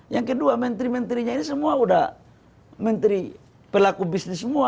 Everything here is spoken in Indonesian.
yang kedua menteri menterinya ini semua udah menteri pelaku bisnis semua